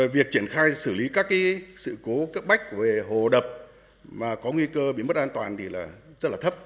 việc triển khai xử lý các sự cố cấp bách về hồ đập mà có nguy cơ bị mất an toàn thì rất là thấp